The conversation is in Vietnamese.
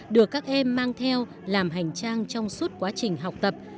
được các em mang theo làm hành trang trong suốt quá trình học tập